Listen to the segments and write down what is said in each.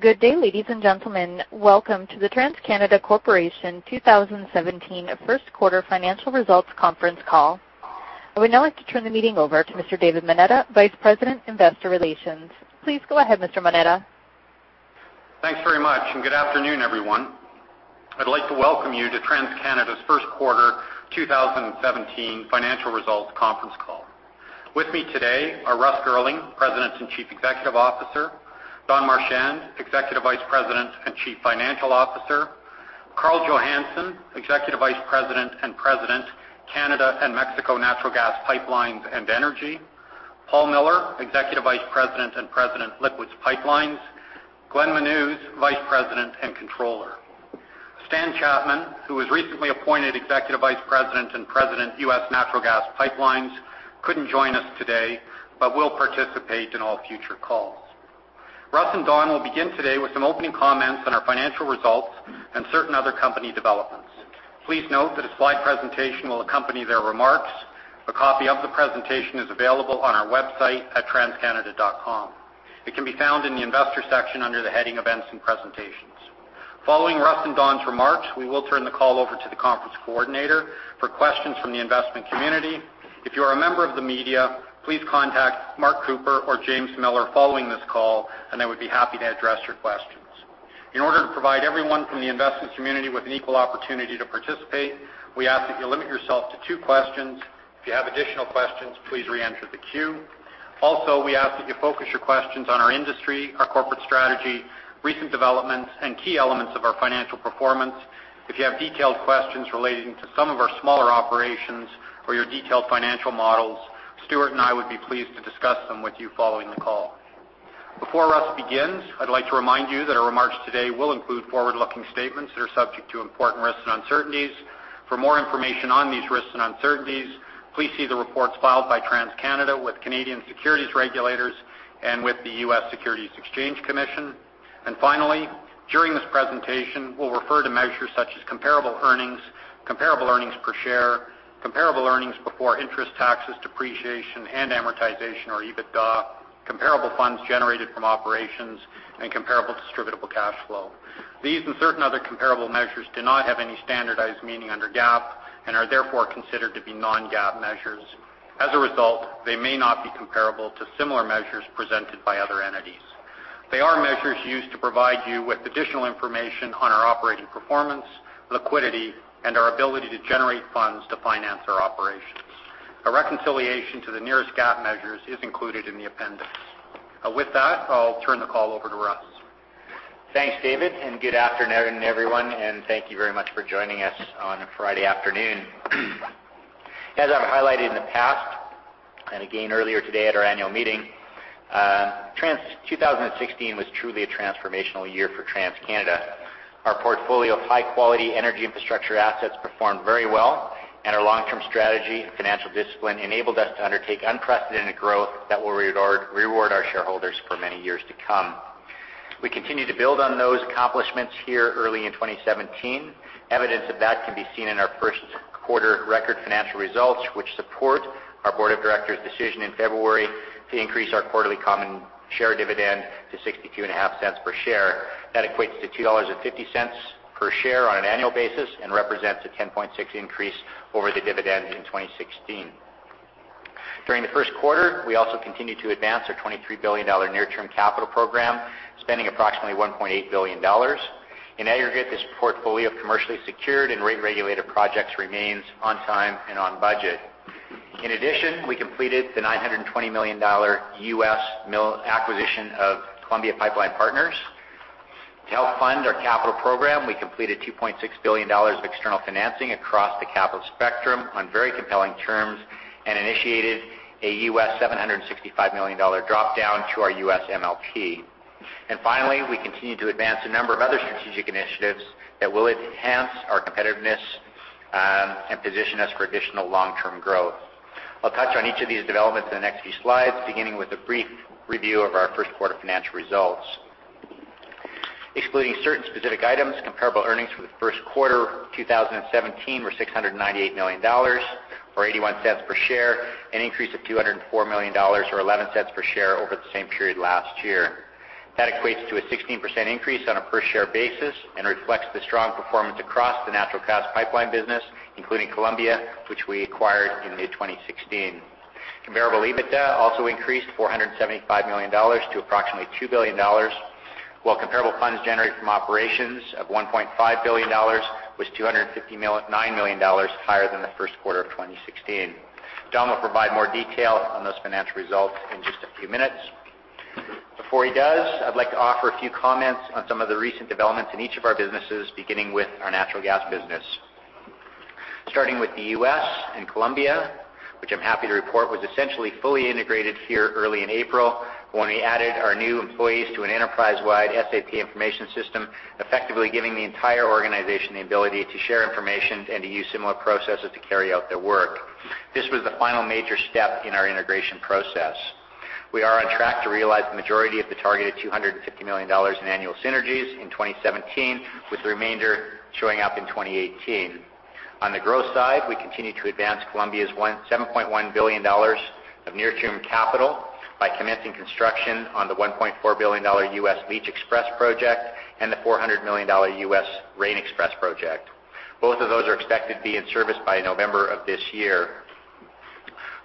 Good day, ladies and gentlemen. Welcome to the TransCanada Corporation 2017 first quarter financial results conference call. I would now like to turn the meeting over to Mr. David Moneta, Vice President, Investor Relations. Please go ahead, Mr. Moneta. Thanks very much. Good afternoon, everyone. I'd like to welcome you to TransCanada's first quarter 2017 financial results conference call. With me today are Russ Girling, President and Chief Executive Officer; Don Marchand, Executive Vice President and Chief Financial Officer; Karl Johannson, Executive Vice President and President, Canada and Mexico Natural Gas Pipelines and Energy; Paul Miller, Executive Vice President and President, Liquids Pipelines; Glenn Menuz, Vice President and Controller. Stan Chapman, who was recently appointed Executive Vice President and President, U.S. Natural Gas Pipelines, couldn't join us today, but will participate in all future calls. Russ and Don will begin today with some opening comments on our financial results and certain other company developments. Please note that a slide presentation will accompany their remarks. A copy of the presentation is available on our website at transcanada.com. It can be found in the investor section under the heading Events and Presentations. Following Russ and Don's remarks, we will turn the call over to the conference coordinator for questions from the investment community. If you are a member of the media, please contact Mark Cooper or James Miller following this call. They would be happy to address your questions. In order to provide everyone from the investment community with an equal opportunity to participate, we ask that you limit yourself to two questions. If you have additional questions, please re-enter the queue. We ask that you focus your questions on our industry, our corporate strategy, recent developments, and key elements of our financial performance. If you have detailed questions relating to some of our smaller operations or your detailed financial models, Stuart and I would be pleased to discuss them with you following the call. Before Russ begins, I'd like to remind you that our remarks today will include forward-looking statements that are subject to important risks and uncertainties. For more information on these risks and uncertainties, please see the reports filed by TransCanada with Canadian securities regulators and with the U.S. Securities and Exchange Commission. Finally, during this presentation, we'll refer to measures such as comparable earnings, comparable earnings per share, comparable earnings before interest, taxes, depreciation, and amortization, or EBITDA, comparable funds generated from operations, and comparable distributable cash flow. These and certain other comparable measures do not have any standardized meaning under GAAP and are therefore considered to be non-GAAP measures. As a result, they may not be comparable to similar measures presented by other entities. They are measures used to provide you with additional information on our operating performance, liquidity, and our ability to generate funds to finance our operations. A reconciliation to the nearest GAAP measures is included in the appendix. With that, I'll turn the call over to Russ. Thanks, David. Good afternoon, everyone, thank you very much for joining us on a Friday afternoon. As I've highlighted in the past, again earlier today at our annual meeting, 2016 was truly a transformational year for TransCanada. Our portfolio of high-quality energy infrastructure assets performed very well, our long-term strategy and financial discipline enabled us to undertake unprecedented growth that will reward our shareholders for many years to come. We continue to build on those accomplishments here early in 2017. Evidence of that can be seen in our first quarter record financial results, which support our board of directors' decision in February to increase our quarterly common share dividend to 0.625 per share. That equates to 2.50 dollars per share on an annual basis and represents a 10.6% increase over the dividend in 2016. During the first quarter, we also continued to advance our 23 billion dollar near-term capital program, spending approximately 1.8 billion dollars. In aggregate, this portfolio of commercially secured and rate-regulated projects remains on time and on budget. In addition, we completed the $920 million U.S. acquisition of Columbia Pipeline Partners. To help fund our capital program, we completed 2.6 billion dollars of external financing across the capital spectrum on very compelling terms and initiated a U.S. $765 million drop-down to our U.S. MLP. Finally, we continue to advance a number of other strategic initiatives that will enhance our competitiveness, and position us for additional long-term growth. I'll touch on each of these developments in the next few slides, beginning with a brief review of our first quarter financial results. Excluding certain specific items, comparable earnings for the first quarter 2017 were 698 million dollars, or 0.81 per share, an increase of 204 million dollars, or 0.11 per share over the same period last year. That equates to a 16% increase on a per-share basis and reflects the strong performance across the natural gas pipeline business, including Columbia, which we acquired in mid-2016. Comparable EBITDA also increased 475 million dollars to approximately 2 billion dollars, while comparable funds generated from operations of 1.5 billion dollars was 259 million dollars higher than the first quarter of 2016. Don will provide more detail on those financial results in just a few minutes. Before he does, I'd like to offer a few comments on some of the recent developments in each of our businesses, beginning with our natural gas business. Starting with the U.S. and Columbia, which I am happy to report was essentially fully integrated here early in April, when we added our new employees to an enterprise-wide SAP information system, effectively giving the entire organization the ability to share information and to use similar processes to carry out their work. This was the final major step in our integration process. We are on track to realize the majority of the targeted 250 million dollars in annual synergies in 2017, with the remainder showing up in 2018. On the growth side, we continue to advance Columbia's 7.1 billion dollars of near-term capital by commencing construction on the $1.4 billion U.S. Leach XPress project and the $400 million U.S. Rayne XPress project. Both of those are expected to be in service by November of this year.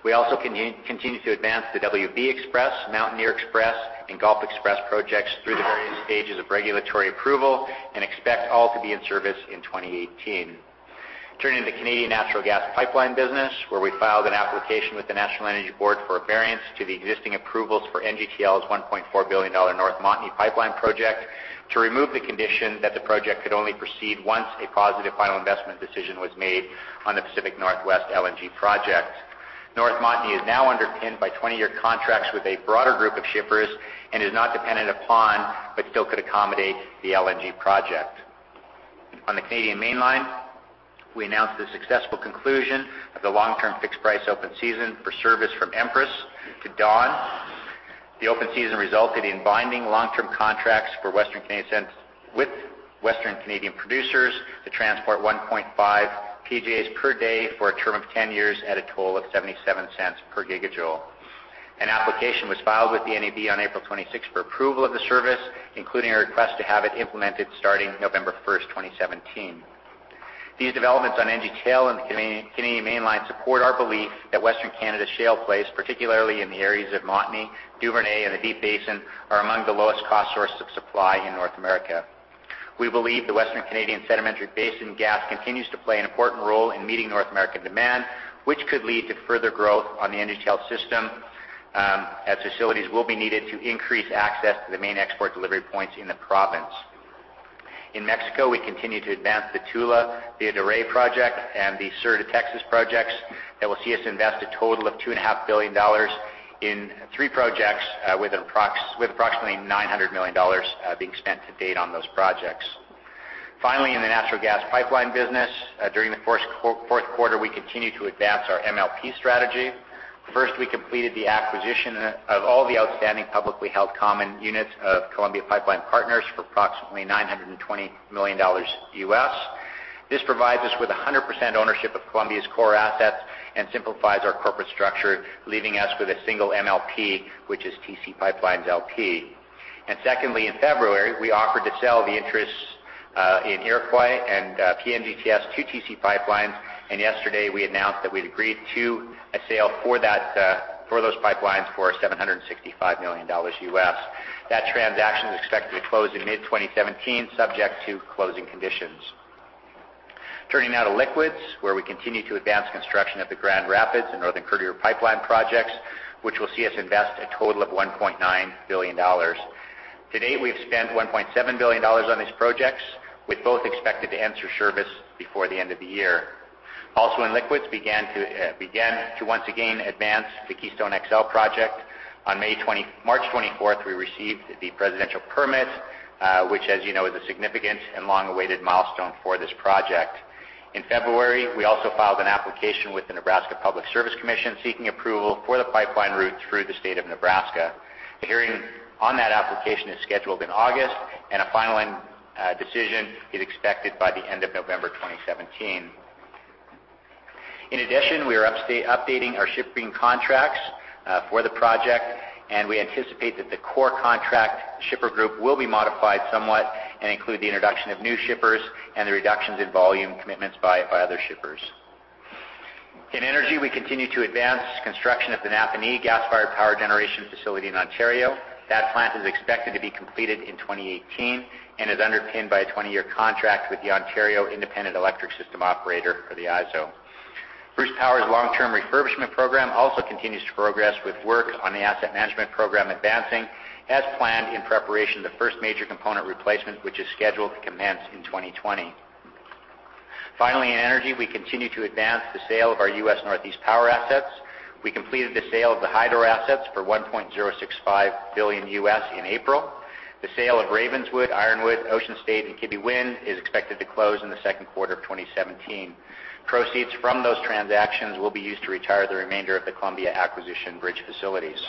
We also continue to advance the WB XPress, Mountaineer XPress, and Gulf XPress projects through the various stages of regulatory approval and expect all to be in service in 2018. Turning to Canadian natural gas pipeline business, where we filed an application with the National Energy Board for a variance to the existing approvals for NGTL's 1.4 billion dollar North Montney Mainline project to remove the condition that the project could only proceed once a positive final investment decision was made on the Pacific NorthWest LNG project. North Montney is now underpinned by 20-year contracts with a broader group of shippers and is not dependent upon, but still could accommodate the LNG project. On the Canadian Mainline, we announced the successful conclusion of the long-term fixed-price open season for service from Empress to Dawn. The open season resulted in binding long-term contracts with Western Canadian producers to transport 1.5 PJ per day for a term of 10 years at a toll of 0.77 per gigajoule. An application was filed with the NEB on April 26 for approval of the service, including a request to have it implemented starting November 1, 2017. These developments on NGTL and the Canadian Mainline support our belief that Western Canada's shale plays, particularly in the areas of Montney, Duvernay, and the Deep Basin, are among the lowest-cost sources of supply in North America. We believe the Western Canadian sedimentary basin gas continues to play an important role in meeting North American demand, which could lead to further growth on the NGTL system, as facilities will be needed to increase access to the main export delivery points in the province. In Mexico, we continue to advance the Tula-Villa de Reyes Gas Pipeline project, and the Sur de Texas-Tuxpan projects that will see us invest a total of 2.5 billion dollars in three projects, with approximately 900 million dollars being spent to date on those projects. Finally, in the natural gas pipeline business, during the fourth quarter, we continued to advance our MLP strategy. First, we completed the acquisition of all the outstanding publicly held common units of Columbia Pipeline Partners for approximately $920 million U.S. This provides us with 100% ownership of Columbia's core assets and simplifies our corporate structure, leaving us with a single MLP, which is TC PipeLines, LP. Secondly, in February, we offered to sell the interests in Iroquois and PNGTS to TC PipeLines, and yesterday we announced that we had agreed to a sale for those pipelines for $765 million U.S. That transaction is expected to close in mid-2017, subject to closing conditions. Turning now to liquids, where we continue to advance construction of the Grand Rapids and Northern Courier pipeline projects, which will see us invest a total of 1.9 billion dollars. To date, we've spent 1.7 billion dollars on these projects, with both expected to enter service before the end of the year. Also in liquids, we began to once again advance the Keystone XL project. On March 24, we received the presidential permit, which, as you know, is a significant and long-awaited milestone for this project. In February, we also filed an application with the Nebraska Public Service Commission seeking approval for the pipeline route through the state of Nebraska. The hearing on that application is scheduled in August, and a final decision is expected by the end of November 2017. In addition, we are updating our shipping contracts for the project, and we anticipate that the core contract shipper group will be modified somewhat and include the introduction of new shippers and the reductions in volume commitments by other shippers. In energy, we continue to advance construction of the Napanee gas-fired power generation facility in Ontario. That plant is expected to be completed in 2018 and is underpinned by a 20-year contract with the Ontario Independent Electricity System Operator or the IESO. Bruce Power's long-term refurbishment program also continues to progress with work on the asset management program advancing as planned in preparation of the first major component replacement, which is scheduled to commence in 2020. Finally, in energy, we continue to advance the sale of our U.S. Northeast Power assets. We completed the sale of the Hydro assets for 1.065 billion in April. The sale of Ravenswood, Ironwood, Ocean State, and Kibby Wind is expected to close in the second quarter of 2017. Proceeds from those transactions will be used to retire the remainder of the Columbia acquisition bridge facilities.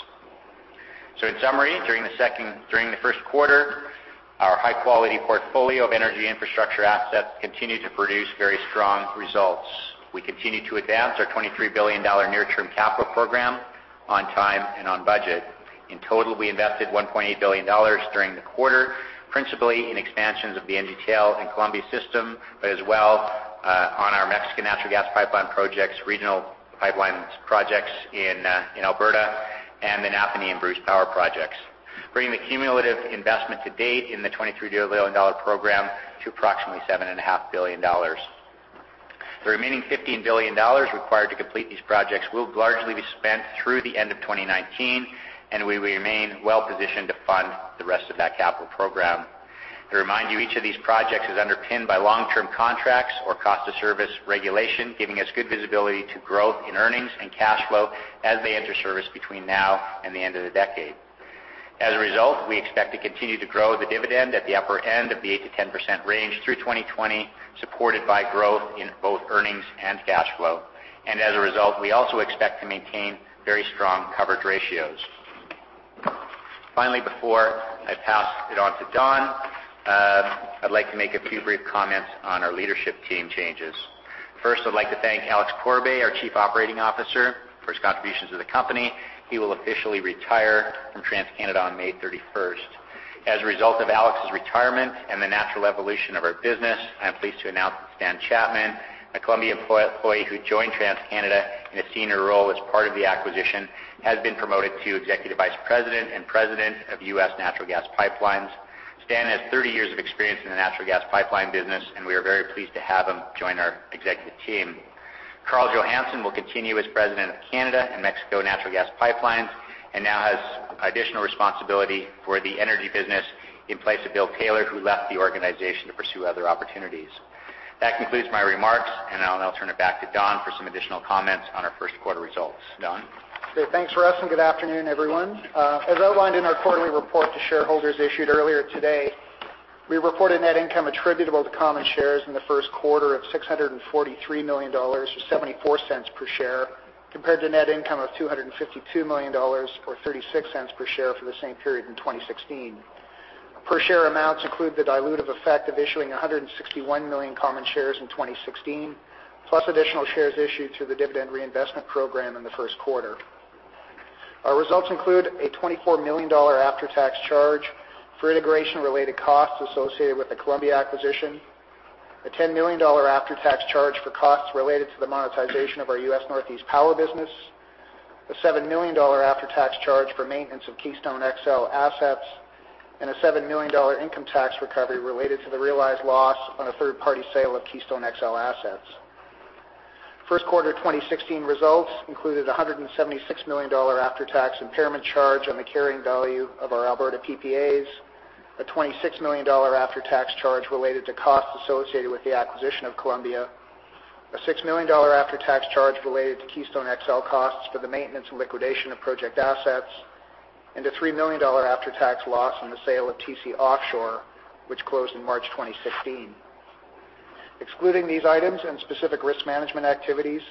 In summary, during the first quarter, our high-quality portfolio of energy infrastructure assets continued to produce very strong results. We continue to advance our 23 billion dollar near-term capital program on time and on budget. In total, we invested 1.8 billion dollars during the quarter, principally in expansions of the NGTL and Columbia system, but as well on our Mexican natural gas pipeline projects, regional pipelines projects in Alberta, and the Napanee and Bruce Power projects, bringing the cumulative investment to date in the 23 billion dollar program to approximately 7.5 billion dollars. The remaining 15 billion dollars required to complete these projects will largely be spent through the end of 2019, and we remain well-positioned to fund the rest of that capital program. To remind you, each of these projects is underpinned by long-term contracts or cost-of-service regulation, giving us good visibility to growth in earnings and cash flow as they enter service between now and the end of the decade. As a result, we expect to continue to grow the dividend at the upper end of the 8%-10% range through 2020, supported by growth in both earnings and cash flow. As a result, we also expect to maintain very strong coverage ratios. Finally, before I pass it on to Don, I'd like to make a few brief comments on our leadership team changes. First, I'd like to thank Alex Pourbaix, our Chief Operating Officer, for his contributions to the company. He will officially retire from TransCanada on May 31st. As a result of Alex's retirement and the natural evolution of our business, I am pleased to announce that Stan Chapman, a Columbia employee who joined TransCanada in a senior role as part of the acquisition, has been promoted to Executive Vice President and President of U.S. Natural Gas Pipelines. Stan has 30 years of experience in the natural gas pipeline business, and we are very pleased to have him join our executive team. Karl Johannson will continue as President of Canada and Mexico Natural Gas Pipelines and now has additional responsibility for the energy business in place of Bill Taylor, who left the organization to pursue other opportunities. That concludes my remarks. Now I'll turn it back to Don for some additional comments on our first quarter results. Don? Thanks, Russ, and good afternoon, everyone. As outlined in our quarterly report to shareholders issued earlier today, we reported net income attributable to common shares in the first quarter of 643 million dollars, or 0.74 per share, compared to net income of 252 million dollars or 0.36 per share for the same period in 2016. Per share amounts include the dilutive effect of issuing 161 million common shares in 2016, plus additional shares issued through the dividend reinvestment program in the first quarter. Our results include a 24 million dollar after-tax charge for integration-related costs associated with the Columbia acquisition, a 10 million dollar after-tax charge for costs related to the monetization of our U.S. Northeast Power business, a 7 million dollar after-tax charge for maintenance of Keystone XL assets, and a 7 million dollar income tax recovery related to the realized loss on a third-party sale of Keystone XL assets. First quarter 2016 results included a 176 million dollar after-tax impairment charge on the carrying value of our Alberta PPAs, a 26 million dollar after-tax charge related to costs associated with the acquisition of Columbia, a 6 million dollar after-tax charge related to Keystone XL costs for the maintenance and liquidation of project assets, and a 3 million dollar after-tax loss on the sale of TC Offshore, which closed in March 2016. Excluding these items and specific risk management activities,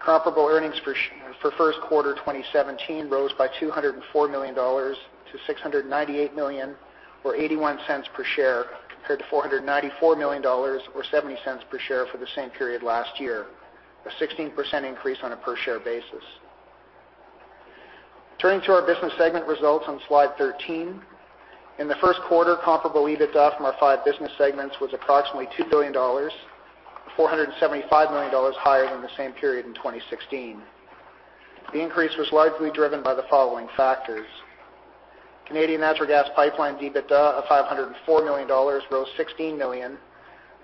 comparable earnings for first quarter 2017 rose by 204 million dollars to 698 million, or 0.81 per share, compared to 494 million dollars or 0.70 per share for the same period last year, a 16% increase on a per share basis. Turning to our business segment results on slide 13. In the first quarter, comparable EBITDA from our five business segments was approximately 2 billion dollars, 475 million dollars higher than the same period in 2016. The increase was largely driven by the following factors. Canadian Natural Gas Pipeline EBITDA of 504 million dollars rose 16 million.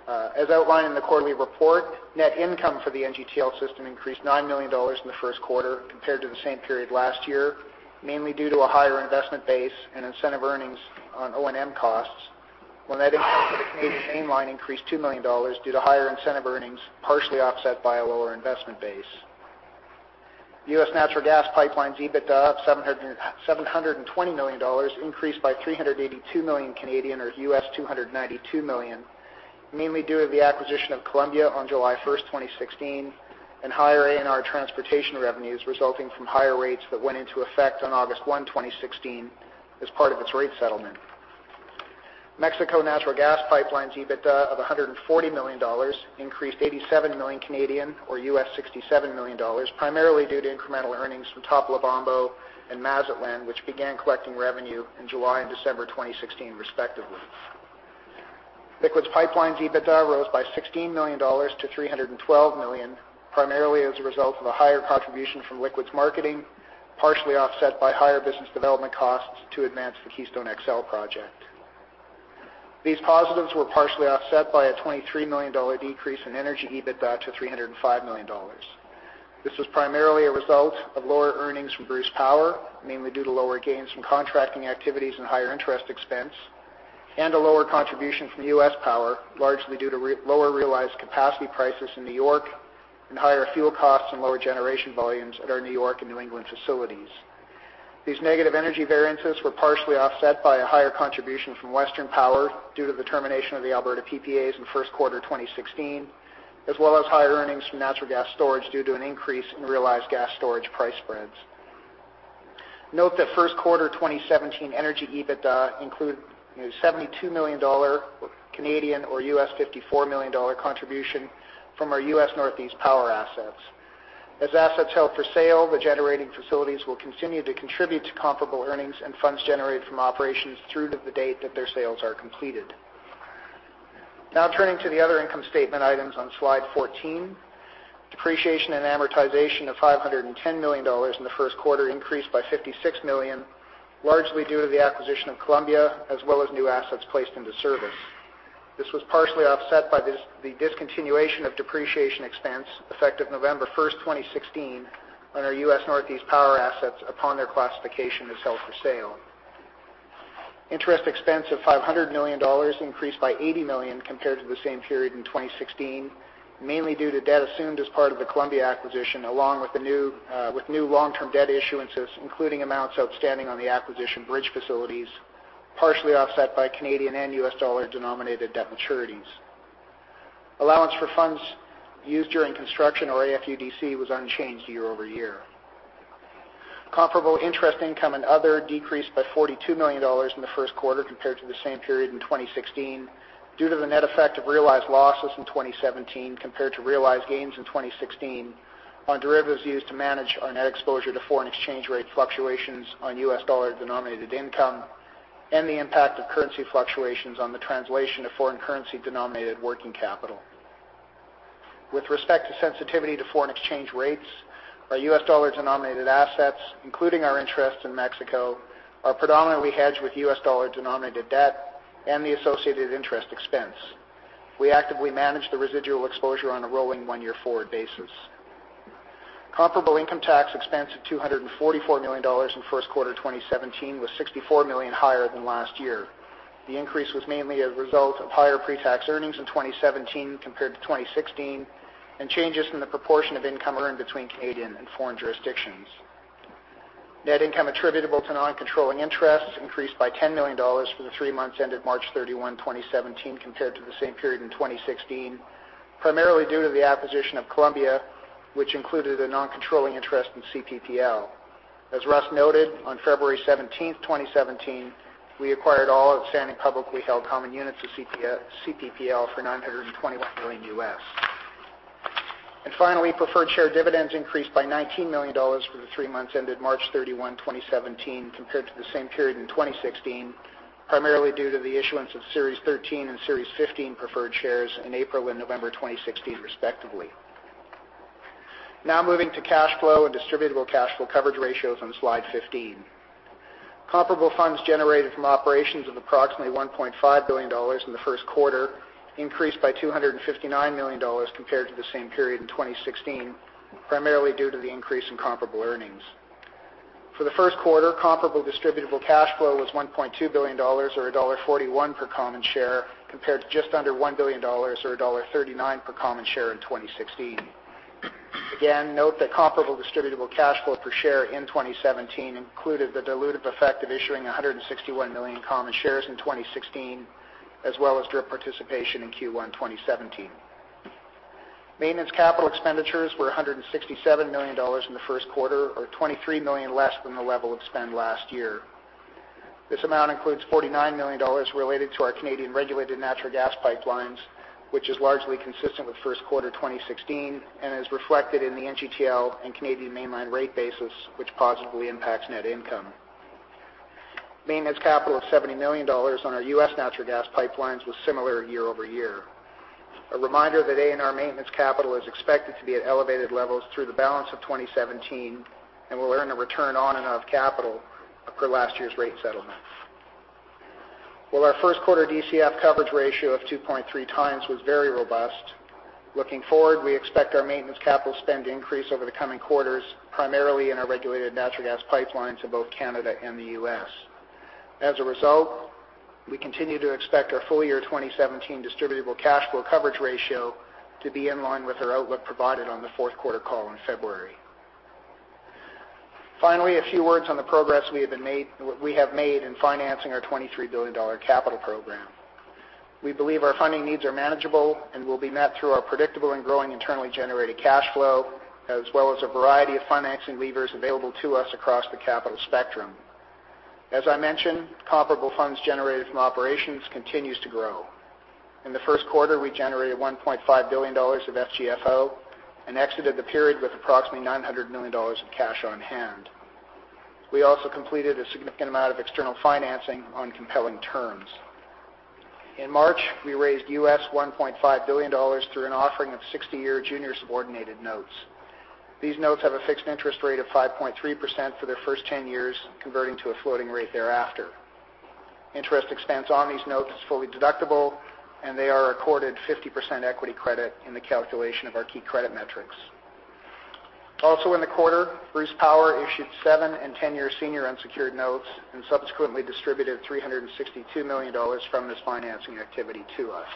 As outlined in the quarterly report, net income for the NGTL System increased 9 million dollars in the first quarter compared to the same period last year, mainly due to a higher investment base and incentive earnings on O&M costs, while net income for the Canadian Mainline increased 2 million dollars due to higher incentive earnings, partially offset by a lower investment base. U.S. Natural Gas Pipelines EBITDA of 720 million dollars increased by 382 million Canadian dollars or $292 million, mainly due to the acquisition of Columbia on July 1st, 2016, and higher ANR transportation revenues resulting from higher rates that went into effect on August 1, 2016, as part of its rate settlement. Mexico Natural Gas Pipelines EBITDA of 140 million dollars increased 87 million Canadian dollars or $67 million, primarily due to incremental earnings from Topolobampo and Mazatlan, which began collecting revenue in July and December 2016, respectively. Liquids Pipelines EBITDA rose by 16 million dollars to 312 million, primarily as a result of a higher contribution from Liquids Marketing, partially offset by higher business development costs to advance the Keystone XL project. These positives were partially offset by a 23 million dollar decrease in Energy EBITDA to 305 million dollars. This was primarily a result of lower earnings from Bruce Power, mainly due to lower gains from contracting activities and higher interest expense, and a lower contribution from U.S. Power, largely due to lower realized capacity prices in N.Y. and higher fuel costs and lower generation volumes at our N.Y. and New England facilities. These negative energy variances were partially offset by a higher contribution from Western Power due to the termination of the Alberta PPAs in first quarter 2016, as well as higher earnings from natural gas storage due to an increase in realized gas storage price spreads. Note that first quarter 2017 Energy EBITDA include a 72 million dollar or $54 million contribution from our U.S. Northeast power assets. As assets held for sale, the generating facilities will continue to contribute to comparable earnings and funds generated from operations through to the date that their sales are completed. Turning to the other income statement items on slide 14. Depreciation and amortization of 510 million dollars in the first quarter increased by 56 million, largely due to the acquisition of Columbia, as well as new assets placed into service. This was partially offset by the discontinuation of depreciation expense effective November 1st, 2016, on our U.S. Northeast power assets upon their classification as held for sale. Interest expense of 500 million dollars increased by 80 million compared to the same period in 2016, mainly due to debt assumed as part of the Columbia acquisition, along with new long-term debt issuances, including amounts outstanding on the acquisition bridge facilities, partially offset by Canadian and U.S. dollar-denominated debt maturities. Allowance for funds used during construction, or AFUDC, was unchanged year-over-year. Comparable interest income and other decreased by 42 million dollars in the first quarter compared to the same period in 2016, due to the net effect of realized losses in 2017 compared to realized gains in 2016 on derivatives used to manage our net exposure to foreign exchange rate fluctuations on U.S. dollar-denominated income and the impact of currency fluctuations on the translation of foreign currency-denominated working capital. With respect to sensitivity to foreign exchange rates, our U.S. dollar-denominated assets, including our interest in Mexico, are predominantly hedged with U.S. dollar-denominated debt and the associated interest expense. We actively manage the residual exposure on a rolling one-year forward basis. Comparable income tax expense of 244 million dollars in first quarter 2017 was 64 million higher than last year. 920The increase was mainly a result of higher pre-tax earnings in 2017 compared to 2016 and changes in the proportion of income earned between Canadian and foreign jurisdictions. Net income attributable to non-controlling interests increased by 10 million dollars for the three months ended March 31, 2017, compared to the same period in 2016, primarily due to the acquisition of Columbia, which included a non-controlling interest in CPPL. As Russ noted, on February 17th, 2017, we acquired all outstanding publicly held common units of CPPL for $920 million. Finally, preferred share dividends increased by 19 million dollars for the three months ended March 31, 2017, compared to the same period in 2016, primarily due to the issuance of Series 13 and Series 15 preferred shares in April and November 2016, respectively. Now moving to cash flow and distributable cash flow coverage ratios on slide 15. Comparable funds generated from operations of approximately 1.5 billion dollars in the first quarter increased by 259 million dollars compared to the same period in 2016, primarily due to the increase in comparable earnings. For the first quarter, comparable distributable cash flow was 1.2 billion dollars, or dollar 1.41 per common share, compared to just under 1 billion dollars, or dollar 1.39 per common share in 2016. Again, note that comparable distributable cash flow per share in 2017 included the dilutive effect of issuing 161 million common shares in 2016, as well as drip participation in Q1 2017. Maintenance capital expenditures were 167 million dollars in the first quarter, or 23 million less than the level of spend last year. This amount includes 49 million dollars related to our Canadian regulated natural gas pipelines, which is largely consistent with first quarter 2016 and is reflected in the NGTL and Canadian Mainline rate basis, which positively impacts net income. Maintenance capital of 70 million dollars on our U.S. natural gas pipelines was similar year-over-year. A reminder that ANR maintenance capital is expected to be at elevated levels through the balance of 2017, and we'll earn a return on and of capital per last year's rate settlement. While our first quarter DCF coverage ratio of 2.3 times was very robust, looking forward, we expect our maintenance capital spend to increase over the coming quarters, primarily in our regulated natural gas pipelines in both Canada and the U.S. As a result, we continue to expect our full-year 2017 distributable cash flow coverage ratio to be in line with our outlook provided on the fourth quarter call in February. Finally, a few words on the progress we have made in financing our 23 billion dollar capital program. We believe our funding needs are manageable and will be met through our predictable and growing internally generated cash flow, as well as a variety of financing levers available to us across the capital spectrum. As I mentioned, comparable funds generated from operations continues to grow. In the first quarter, we generated 1.5 billion dollars of FGFO and exited the period with approximately 900 million dollars of cash on hand. We also completed a significant amount of external financing on compelling terms. In March, we raised 1.5 billion US dollars through an offering of 60-year junior subordinated notes. These notes have a fixed interest rate of 5.3% for their first 10 years, converting to a floating rate thereafter. Interest expense on these notes is fully deductible, and they are accorded 50% equity credit in the calculation of our key credit metrics. Also in the quarter, Bruce Power issued seven and 10-year senior unsecured notes and subsequently distributed 362 million dollars from this financing activity to us.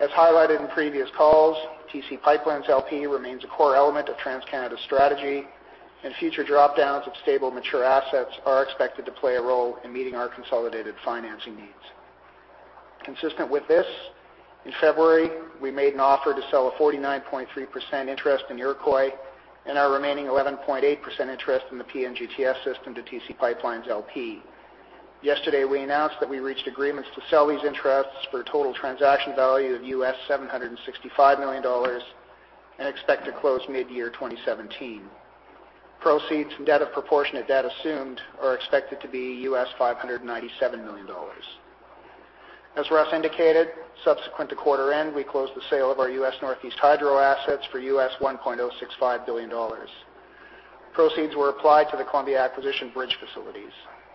As highlighted in previous calls, TC PipeLines, LP remains a core element of TransCanada's strategy, and future drop-downs of stable, mature assets are expected to play a role in meeting our consolidated financing needs. Consistent with this, in February, we made an offer to sell a 49.3% interest in Iroquois and our remaining 11.8% interest in the PNGTS system to TC PipeLines, LP. Yesterday, we announced that we reached agreements to sell these interests for a total transaction value of 765 million US dollars and expect to close mid-year 2017. Proceeds, net of proportionate debt assumed, are expected to be 597 million US dollars. As Russ indicated, subsequent to quarter end, we closed the sale of our U.S. Northeast hydro assets for 1.065 billion US dollars. Proceeds were applied to the Columbia acquisition bridge facilities.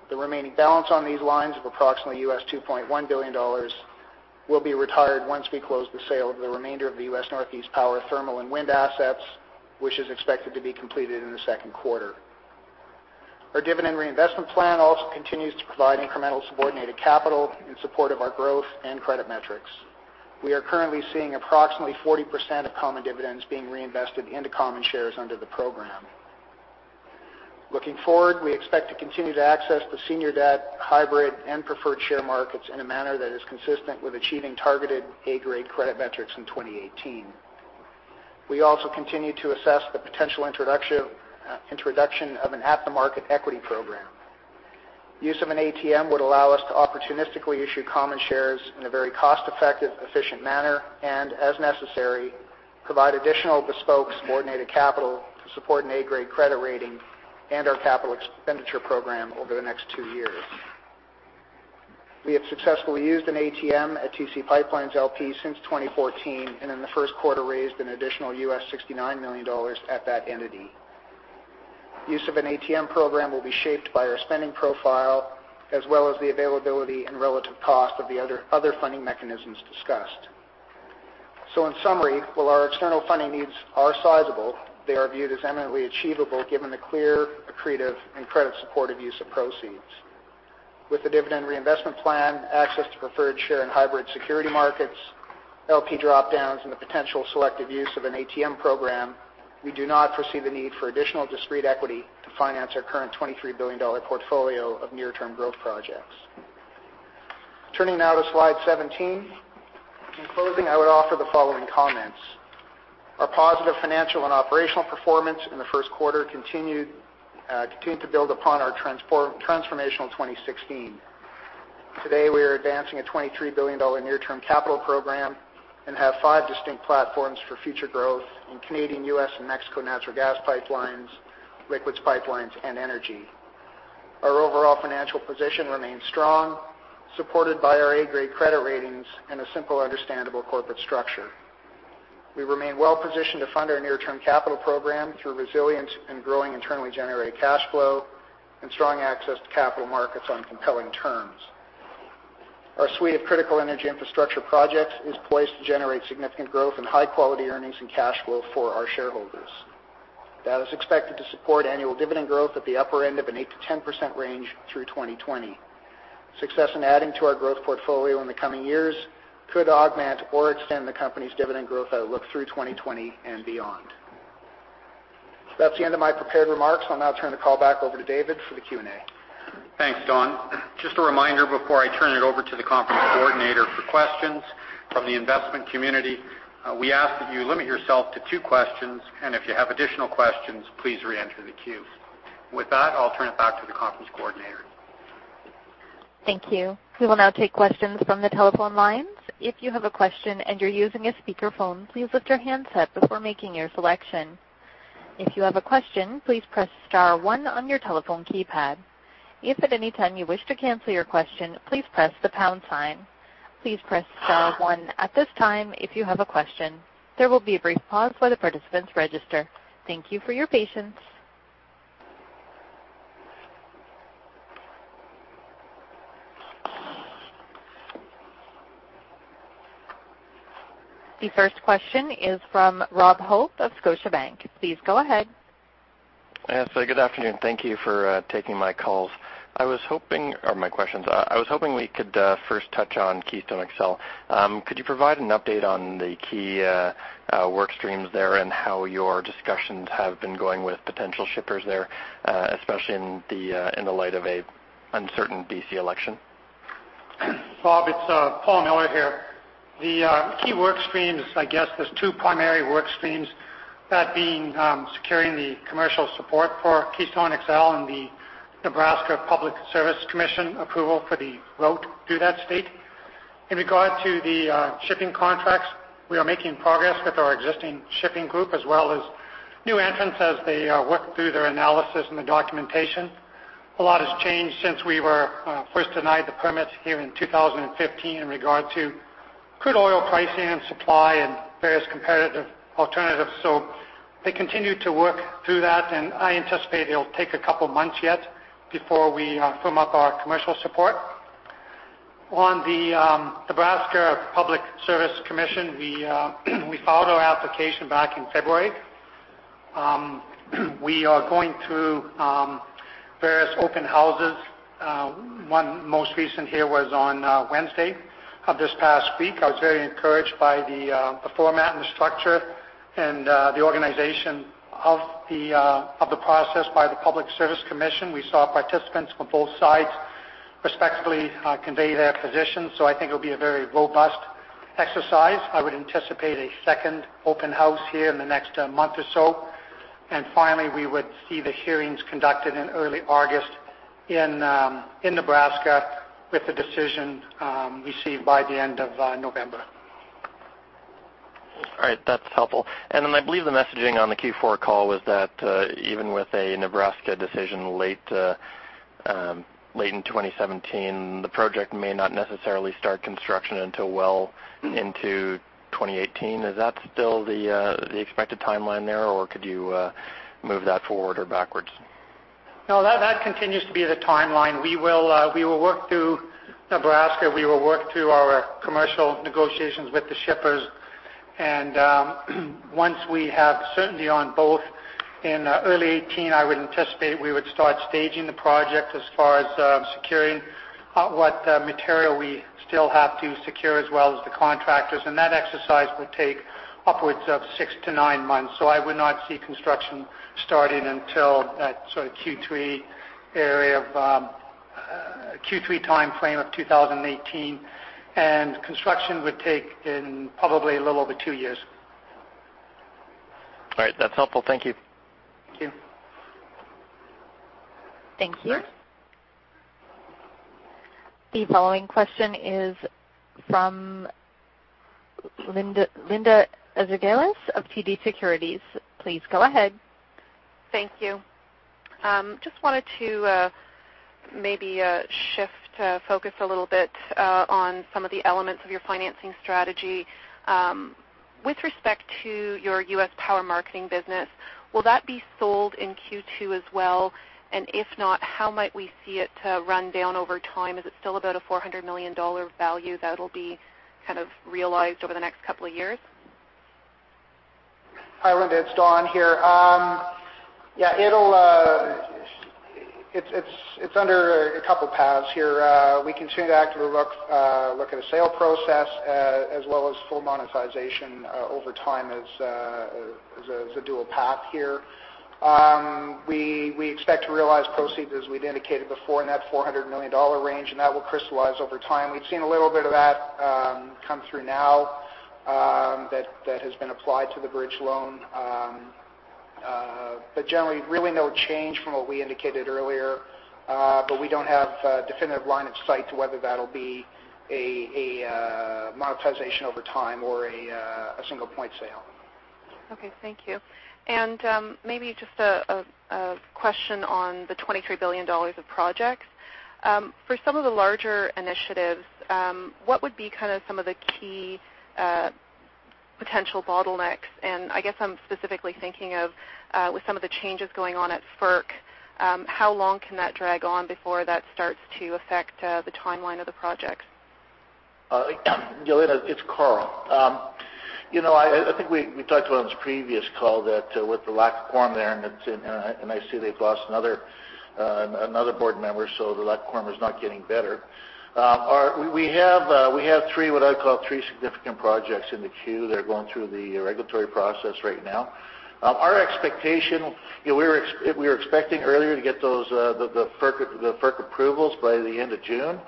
The remaining balance on these lines of approximately 2.1 billion US dollars will be retired once we close the sale of the remainder of the U.S. Northeast Power thermal and wind assets, which is expected to be completed in the second quarter. Our dividend reinvestment plan also continues to provide incremental subordinated capital in support of our growth and credit metrics. We are currently seeing approximately 40% of common dividends being reinvested into common shares under the program. Looking forward, we expect to continue to access the senior debt hybrid and preferred share markets in a manner that is consistent with achieving targeted A-grade credit metrics in 2018. We also continue to assess the potential introduction of an at-the-market equity program. Use of an ATM would allow us to opportunistically issue common shares in a very cost-effective, efficient manner, and as necessary, provide additional bespoke subordinated capital to support an A-grade credit rating and our capital expenditure program over the next two years. We have successfully used an ATM at TC PipeLines, LP since 2014, and in the first quarter raised an additional 69 million US dollars at that entity. Use of an ATM program will be shaped by our spending profile as well as the availability and relative cost of the other funding mechanisms discussed. In summary, while our external funding needs are sizable, they are viewed as eminently achievable given the clear, accretive, and credit-supportive use of proceeds. With the dividend reinvestment plan, access to preferred share and hybrid security markets, LP drop-downs, and the potential selective use of an ATM program, we do not foresee the need for additional discrete equity to finance our current 23 billion dollar portfolio of near-term growth projects. Turning now to slide 17. In closing, I would offer the following comments. Our positive financial and operational performance in the first quarter continued to build upon our transformational 2016. Today, we are advancing a 23 billion dollar near-term capital program and have five distinct platforms for future growth in Canadian, U.S., and Mexico natural gas pipelines, liquids pipelines, and energy. Our overall financial position remains strong, supported by our A-grade credit ratings and a simple, understandable corporate structure. We remain well-positioned to fund our near-term capital program through resilient and growing internally generated cash flow and strong access to capital markets on compelling terms. Our suite of critical energy infrastructure projects is poised to generate significant growth and high-quality earnings and cash flow for our shareholders. That is expected to support annual dividend growth at the upper end of an 8%-10% range through 2020. Success in adding to our growth portfolio in the coming years could augment or extend the company's dividend growth outlook through 2020 and beyond. That's the end of my prepared remarks. I'll now turn the call back over to David for the Q&A. Thanks, Don. Just a reminder before I turn it over to the conference coordinator for questions from the investment community. We ask that you limit yourself to two questions, and if you have additional questions, please reenter the queue. With that, I'll turn it back to the conference coordinator. Thank you. We will now take questions from the telephone lines. If you have a question and you're using a speakerphone, please lift your handset before making your selection. If you have a question, please press star one on your telephone keypad. If at any time you wish to cancel your question, please press the pound sign. Please press star one at this time if you have a question. There will be a brief pause while the participants register. Thank you for your patience. The first question is from Robert Hope of Scotiabank. Please go ahead. Yes. Good afternoon. Thank you for taking my calls. I was hoping Or my questions. I was hoping we could first touch on Keystone XL. Could you provide an update on the key work streams there and how your discussions have been going with potential shippers there, especially in the light of a uncertain D.C. election? Rob, it's Paul Miller here. The key work streams, I guess there's two primary work streams, that being securing the commercial support for Keystone XL and the Nebraska Public Service Commission approval for the route through that state. In regard to the shipping contracts, we are making progress with our existing shipping group as well as new entrants as they work through their analysis and the documentation. A lot has changed since we were first denied the permits here in 2015 in regard to crude oil pricing and supply and various competitive alternatives. They continue to work through that, and I anticipate it'll take a couple of months yet before we firm up our commercial support. On the Nebraska Public Service Commission, we filed our application back in February. We are going through various open houses. One most recent here was on Wednesday of this past week. I was very encouraged by the format and the structure and the organization of the process by the Public Service Commission. We saw participants from both sides respectfully convey their positions. I think it'll be a very robust exercise. I would anticipate a second open house here in the next month or so. Finally, we would see the hearings conducted in early August in Nebraska, with the decision received by the end of November. All right. That's helpful. Then I believe the messaging on the Q4 call was that even with a Nebraska decision late in 2017, the project may not necessarily start construction until well into 2018. Is that still the expected timeline there, or could you move that forward or backwards? No, that continues to be the timeline. We will work through Nebraska. We will work through our commercial negotiations with the shippers. Once we have certainty on both, in early 2018, I would anticipate we would start staging the project as far as securing what material we still have to secure as well as the contractors. That exercise will take upwards of 6 to 9 months. I would not see construction starting until that sort of Q3 time frame of 2018, and construction would take probably a little over two years. All right. That's helpful. Thank you. Thank you. Thank you. Next. The following question is from Linda Ezergailis of TD Securities. Please go ahead. Thank you. Just wanted to maybe shift focus a little bit on some of the elements of your financing strategy. With respect to your U.S. power marketing business, will that be sold in Q2 as well? If not, how might we see it run down over time? Is it still about a 400 million dollar value that will be kind of realized over the next couple of years? Hi, Linda, it's Don here. Yeah, it's under a couple paths here. We continue to actively look at a sale process as well as full monetization over time as a dual path here. We expect to realize proceeds, as we had indicated before, in that 400 million dollar range, and that will crystallize over time. We have seen a little bit of that come through now that has been applied to the bridge loan. Generally, really no change from what we indicated earlier. We don't have a definitive line of sight to whether that will be a monetization over time or a single point sale. Okay. Thank you. Maybe just a question on the 23 billion dollars of projects. For some of the larger initiatives, what would be kind of some of the key potential bottlenecks? I guess I'm specifically thinking of with some of the changes going on at FERC, how long can that drag on before that starts to affect the timeline of the projects? Linda, it's Karl. I think we talked about on this previous call that with the lack of quorum there. I see they've lost another board member, the lack of quorum is not getting better. We have what I'd call three significant projects in the queue that are going through the regulatory process right now. Our expectation, we were expecting earlier to get the FERC approvals by the end of June.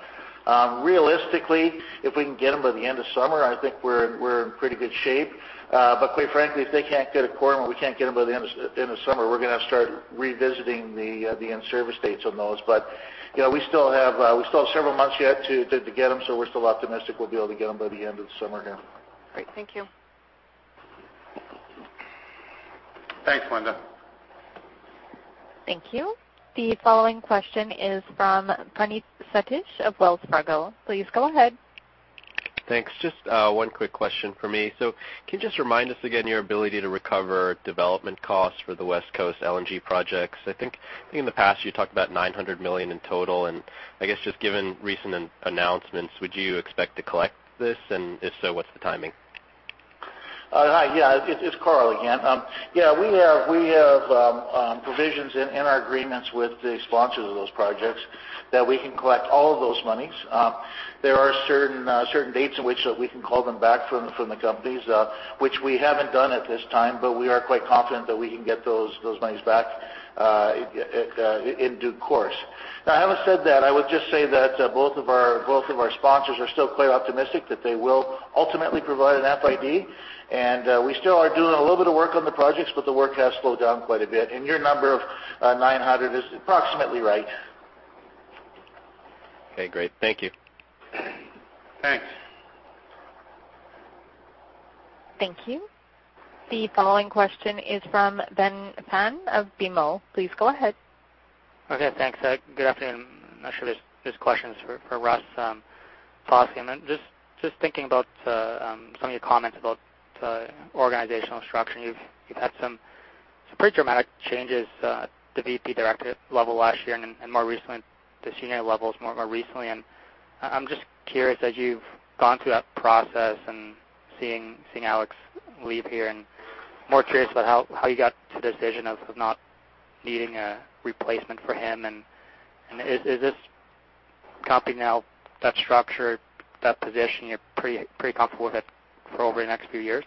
Realistically, if we can get them by the end of summer, I think we're in pretty good shape. Quite frankly, if they can't get a quorum we can't get them by the end of summer, we're going to have to start revisiting the in-service dates on those. We still have several months yet to get them, we're still optimistic we'll be able to get them by the end of the summer here. Great. Thank you. Thanks, Linda. Thank you. The following question is from Praneeth Satish of Wells Fargo. Please go ahead. Thanks. Just one quick question from me. Can you just remind us again your ability to recover development costs for the West Coast LNG projects? I think in the past, you talked about 900 million in total. I guess just given recent announcements, would you expect to collect this? If so, what's the timing? Hi. Yeah, it's Karl again. We have provisions in our agreements with the sponsors of those projects that we can collect all of those monies. There are certain dates in which we can call them back from the companies, which we haven't done at this time. We are quite confident that we can get those monies back in due course. Having said that, I would just say that both of our sponsors are still quite optimistic that they will ultimately provide an FID. We still are doing a little bit of work on the projects. The work has slowed down quite a bit. Your number of 900 is approximately right. Okay, great. Thank you. Thanks. Thank you. The following question is from Ben Pham of BMO. Please go ahead. Okay, thanks. Good afternoon. This question is for Russ Girling. Just thinking about some of your comments about the organizational structure, you've had some pretty dramatic changes at the VP director level last year and the senior levels more recently. I'm just curious, as you've gone through that process and seeing Alex leave here, I'm more curious about how you got to the decision of not needing a replacement for him. Is this company now that structure, that position, you're pretty comfortable with it for over the next few years?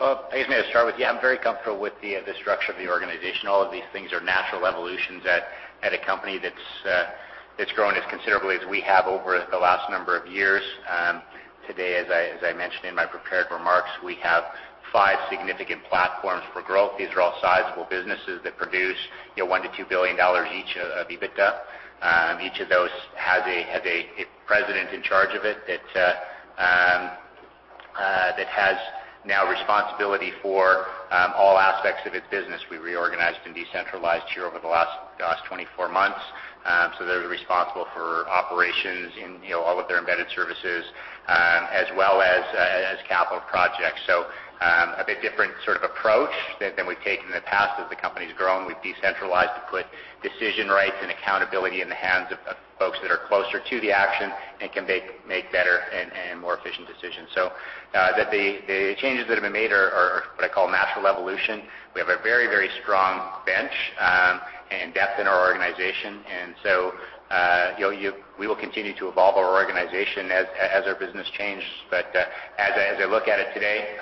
I guess maybe to start with, yeah, I'm very comfortable with the structure of the organization. All of these things are natural evolutions at a company that's grown as considerably as we have over the last number of years. Today, as I mentioned in my prepared remarks, we have five significant platforms for growth. These are all sizable businesses that produce 1 billion to 2 billion dollars each of EBITDA. Each of those has a President in charge of it that has now responsibility for all aspects of its business. We reorganized and decentralized here over the last 24 months. They're responsible for operations in all of their embedded services as well as capital projects. A bit different sort of approach than we've taken in the past. As the company's grown, we've decentralized to put decision rights and accountability in the hands of folks that are closer to the action and can make better and more efficient decisions. The changes that have been made are what I call natural evolution. We have a very strong bench and depth in our organization. We will continue to evolve our organization as our business changes. As I look at it today,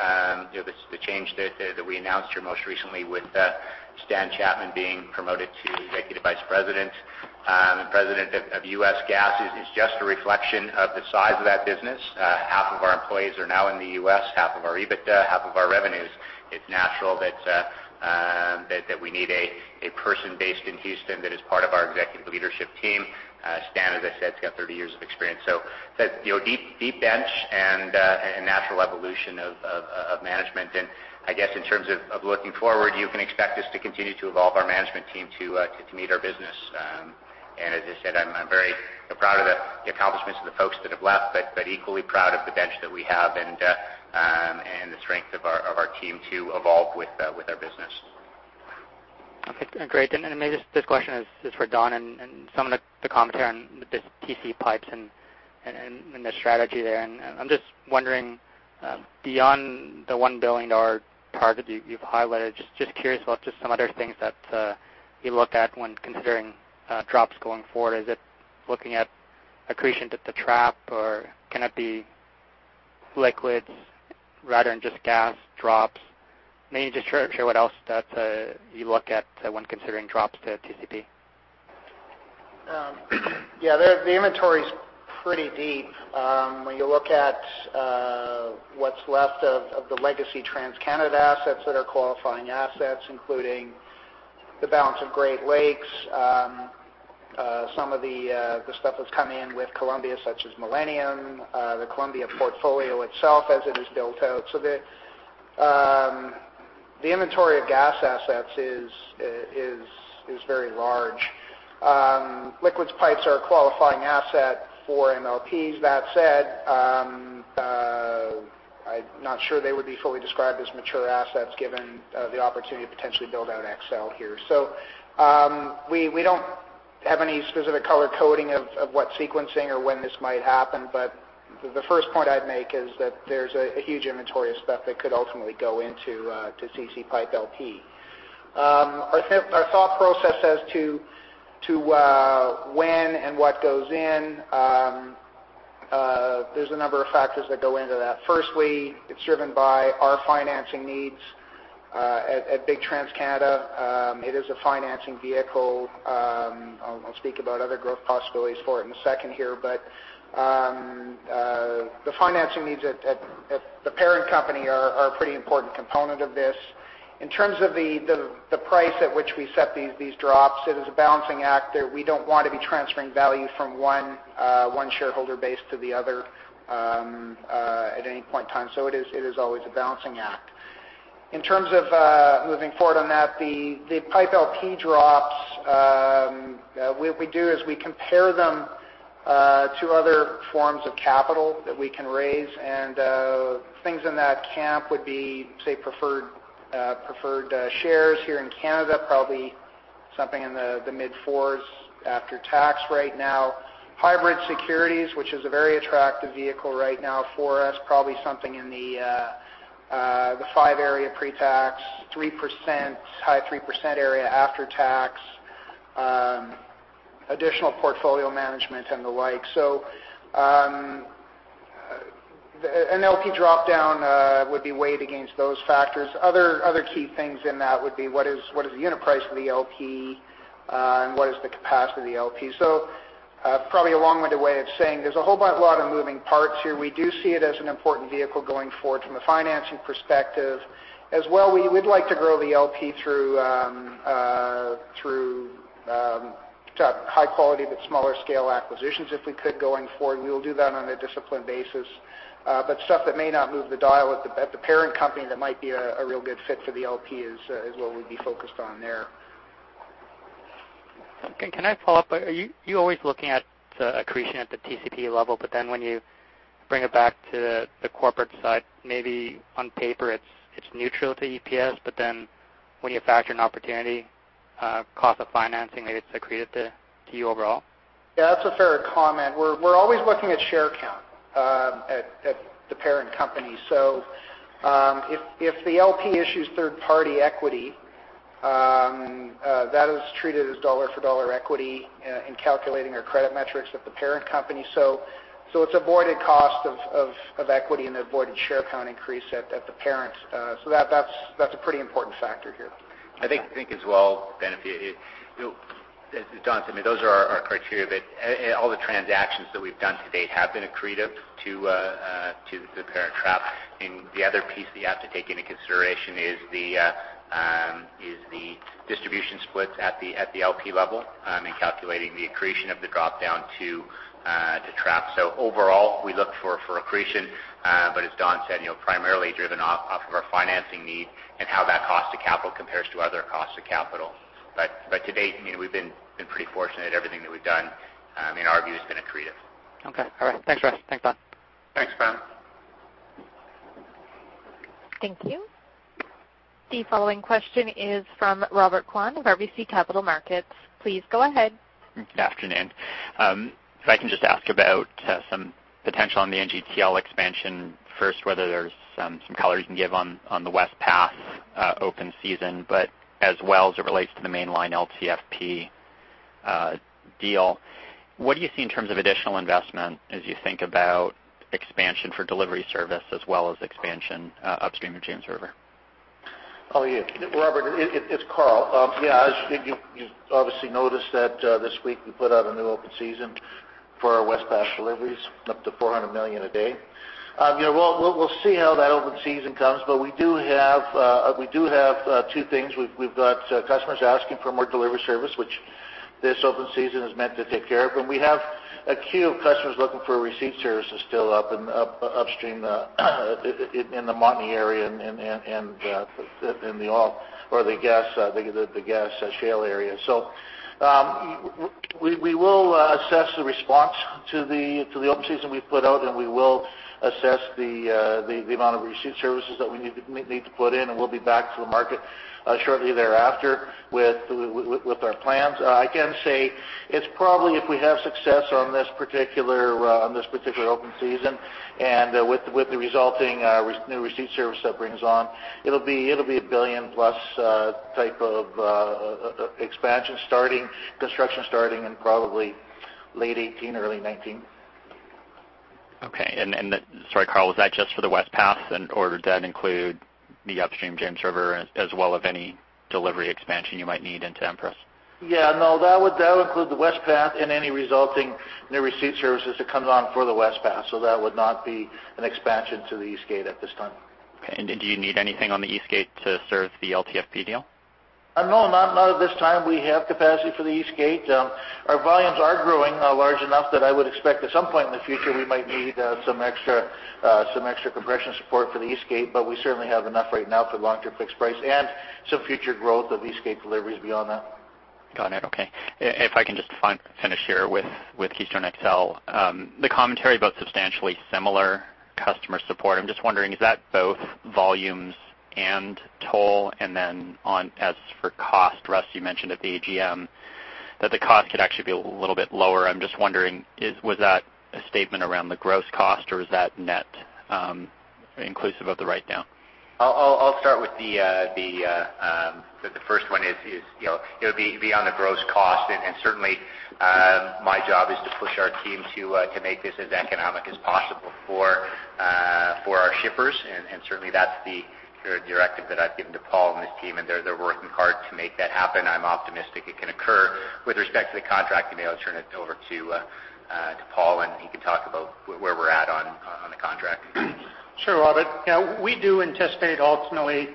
the change that we announced here most recently with Stan Chapman being promoted to Executive Vice President and President of U.S. Gas is just a reflection of the size of that business. Half of our employees are now in the U.S., half of our EBITDA, half of our revenues. It's natural that we need a person based in Houston that is part of our executive leadership team. Stan Chapman, as I said, has got 30 years of experience. Deep bench and natural evolution of management. I guess in terms of looking forward, you can expect us to continue to evolve our management team to meet our business. As I said, I'm very proud of the accomplishments of the folks that have left, but equally proud of the bench that we have and the strength of our team to evolve with our business. Okay. Great. Maybe this question is for Don Marchand and some of the commentary on the TCP pipes and the strategy there. I'm just wondering, beyond the CAD 1 billion target you've highlighted, just curious what just some other things that you look at when considering drops going forward. Is it looking at accretion at the drop, or can it be liquids rather than just gas drops? Maybe just share what else that you look at when considering drops to TCP. The inventory's pretty deep. When you look at what's left of the legacy TransCanada assets that are qualifying assets, including the balance of Great Lakes, some of the stuff that's come in with Columbia, such as Millennium, the Columbia portfolio itself as it is built out. The inventory of gas assets is very large. Liquids pipes are a qualifying asset for MLPs. That said, I'm not sure they would be fully described as mature assets given the opportunity to potentially build out XL here. We don't have any specific color coding of what sequencing or when this might happen. The first point I'd make is that there's a huge inventory of stuff that could ultimately go into TCP Pipe LP. Our thought process as to when and what goes in, there's a number of factors that go into that. Firstly, it's driven by our financing needs at big TransCanada. It is a financing vehicle. I'll speak about other growth possibilities for it in a second here, but the financing needs at the parent company are a pretty important component of this. In terms of the price at which we set these drops, it is a balancing act. We don't want to be transferring value from one shareholder base to the other at any point in time. It is always a balancing act. In terms of moving forward on that, the Pipe LP drops, what we do is we compare them to other forms of capital that we can raise, and things in that camp would be, say, preferred shares here in Canada, probably something in the mid 4s after tax right now. Hybrid securities, which is a very attractive vehicle right now for us, probably something in the five area pre-tax, 3%, high 3% area after tax, additional portfolio management, and the like. An LP dropdown would be weighed against those factors. Other key things in that would be what is the unit price of the LP and what is the capacity of the LP. Probably a long-winded way of saying there's a whole lot of moving parts here. We do see it as an important vehicle going forward from a financing perspective. As well, we'd like to grow the LP through high quality but smaller scale acquisitions, if we could, going forward. We will do that on a disciplined basis. Stuff that may not move the dial at the parent company that might be a real good fit for the LP is what we'd be focused on there. Okay. Can I follow up? Are you always looking at accretion at the TCP level, but then when you bring it back to the corporate side, maybe on paper it's neutral to EPS, but then when you factor in opportunity cost of financing, maybe it's accretive to you overall? Yeah, that's a fair comment. We're always looking at share count at the parent company. If the LP issues third-party equity, that is treated as dollar-for-dollar equity in calculating our credit metrics at the parent company. It's avoided cost of equity and avoided share count increase at the parent. That's a pretty important factor here. I think as well, Ben, if you Don, those are our criteria, but all the transactions that we've done to date have been accretive to the parent. The other piece that you have to take into consideration is the distribution splits at the LP level in calculating the accretion of the dropdown to parent. Overall, we look for accretion, but as Don said, primarily driven off of our financing need and how that cost of capital compares to other costs of capital. To date, we've been pretty fortunate. Everything that we've done in our view has been accretive. Okay. All right. Thanks, guys. Thanks, Don. Thanks, Ben. Thank you. The following question is from Robert Kwan of RBC Capital Markets. Please go ahead. Good afternoon. If I can just ask about some potential on the NGTL expansion first, whether there's some color you can give on the West Pass open season, as well as it relates to the Mainline LTFP deal. What do you see in terms of additional investment as you think about expansion for delivery service as well as expansion upstream of James River? Robert, it's Karl. As you obviously noticed that this week we put out a new open season for our West Pass deliveries, up to 400 million a day. We'll see how that open season comes. We do have two things. We've got customers asking for more delivery service, which this open season is meant to take care of. We have a queue of customers looking for receipt services still upstream in the Montney area and in the oil or the gas shale area. We will assess the response to the open season we put out, we will assess the amount of receipt services that we need to put in, and we'll be back to the market shortly thereafter with our plans. I can say it's probably if we have success on this particular open season and with the resulting new receipt service that brings on, it'll be a billion-plus type of expansion, construction starting in probably late 2018, early 2019. Okay. Sorry, Karl, was that just for the West Pass, or did that include the upstream James River as well as any delivery expansion you might need into Empress? Yeah, no. That would include the West Pass and any resulting new receipt services that comes on for the West Pass. That would not be an expansion to the East Gate at this time. Okay. Do you need anything on the East Gate to serve the LTFP deal? No, not at this time. We have capacity for the East Gate. Our volumes are growing large enough that I would expect at some point in the future we might need some extra compression support for the East Gate, but we certainly have enough right now for long-term fixed price and some future growth of East Gate deliveries beyond that. Got it. Okay. If I can just finish here with Keystone XL. The commentary about substantially similar customer support, I'm just wondering, is that both volumes and toll? As for cost, Russ, you mentioned at the AGM that the cost could actually be a little bit lower. I'm just wondering, was that a statement around the gross cost, or is that net inclusive of the write-down? I'll start with the first one is, it would be on the gross cost. Certainly, my job is to push our team to make this as economic as possible for our shippers. Certainly, that's the directive that I've given to Paul and his team, and they're working hard to make that happen. I'm optimistic it can occur. With respect to the contract, I'll turn it over to Paul, and he can talk about where we're at on the contract. Sure, Robert. We do anticipate ultimately,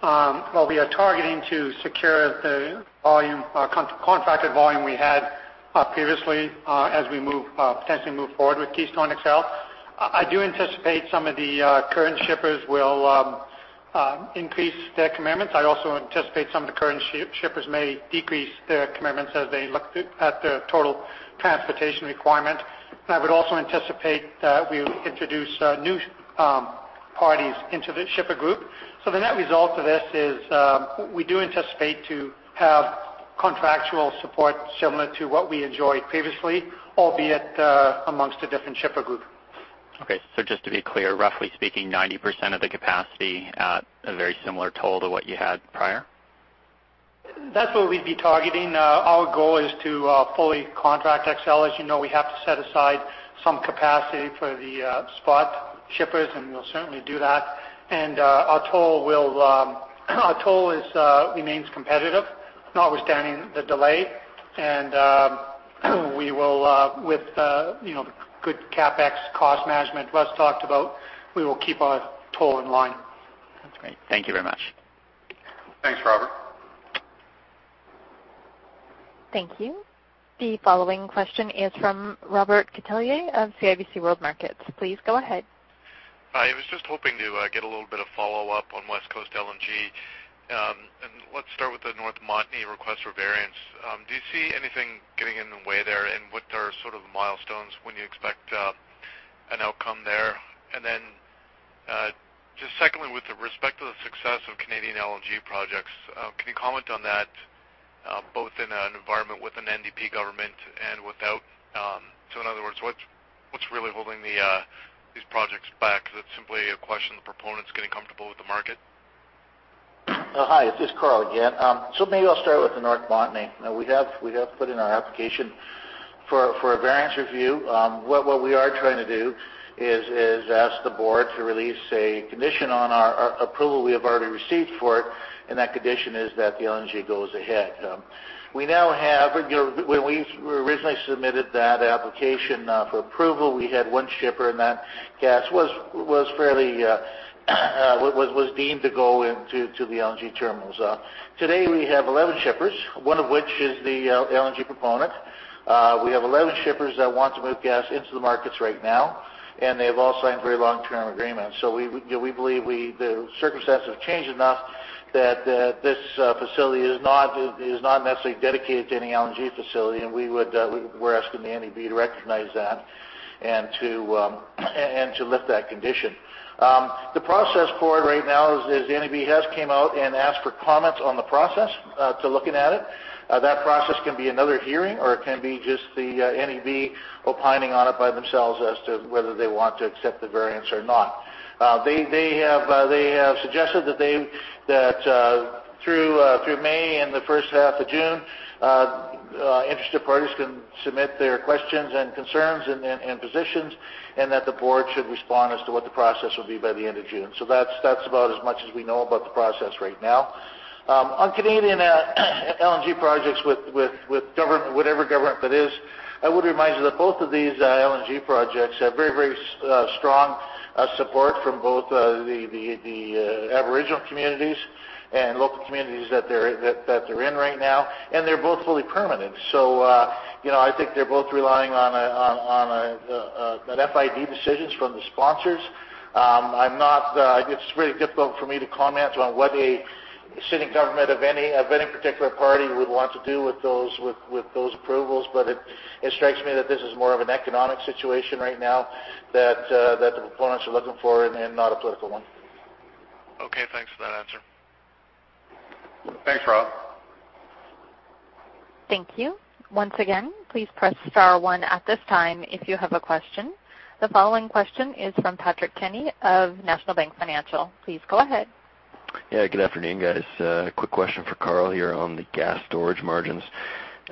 while we are targeting to secure the contracted volume we had previously as we potentially move forward with Keystone XL, I do anticipate some of the current shippers will increase their commitments. I also anticipate some of the current shippers may decrease their commitments as they look at their total transportation requirement. I would also anticipate that we will introduce new parties into the shipper group. The net result of this is we do anticipate to have contractual support similar to what we enjoyed previously, albeit amongst a different shipper group. Okay. Just to be clear, roughly speaking, 90% of the capacity at a very similar toll to what you had prior? That's what we'd be targeting. Our goal is to fully contract XL. As you know, we have to set aside some capacity for the spot shippers, and we'll certainly do that. Our toll remains competitive, notwithstanding the delay. With the good CapEx cost management Russ talked about, we will keep our toll in line. That's great. Thank you very much. Thanks, Robert. Thank you. The following question is from Robert Catellier of CIBC World Markets. Please go ahead. Hi. I was just hoping to get a little bit of follow-up on West Coast LNG. Let's start with the North Montney request for variance. Do you see anything getting in the way there? What are sort of the milestones when you expect an outcome there? Just secondly, with respect to the success of Canadian LNG projects, can you comment on that both in an environment with an NDP government and without? In other words, what's really holding these projects back? Is it simply a question of the proponents getting comfortable with the market? Hi, this is Karl again. Maybe I'll start with the North Montney. We have put in our application for a variance review. What we are trying to do is ask the board to release a condition on our approval we have already received for it, and that condition is that the LNG goes ahead. When we originally submitted that application for approval, we had one shipper, and that gas was deemed to go into the LNG terminals. Today, we have 11 shippers, one of which is the LNG proponent. We have 11 shippers that want to move gas into the markets right now, and they've all signed very long-term agreements. We believe the circumstances have changed enough that this facility is not necessarily dedicated to any LNG facility, and we're asking the NEB to recognize that. To lift that condition. The process for it right now is the NEB has come out and asked for comments on the process to looking at it. That process can be another hearing, or it can be just the NEB opining on it by themselves as to whether they want to accept the variance or not. They have suggested that through May and the first half of June, interested parties can submit their questions and concerns and positions, and that the board should respond as to what the process will be by the end of June. That's about as much as we know about the process right now. On Canadian LNG projects with whatever government it is, I would remind you that both of these LNG projects have very strong support from both the Aboriginal communities and local communities that they're in right now, and they're both fully permitted. I think they're both relying on FID decisions from the sponsors. It's really difficult for me to comment on what a sitting government of any particular party would want to do with those approvals, but it strikes me that this is more of an economic situation right now that the proponents are looking for and not a political one. Okay. Thanks for that answer. Thanks, Rob. Thank you. Once again, please press star one at this time if you have a question. The following question is from Patrick Kenny of National Bank Financial. Please go ahead. Good afternoon, guys. A quick question for Karl here on the gas storage margins.